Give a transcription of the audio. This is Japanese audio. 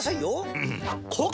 うん！